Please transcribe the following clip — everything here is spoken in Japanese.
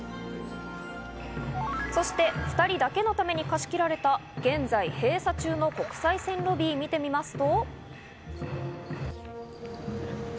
そして２人だけのために貸し切られた現在閉鎖中の国際線ロビーを見てみますと。